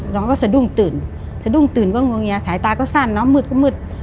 น้องก็สะดุ้งตื่นสายตาก็สั้นมืดก็มืด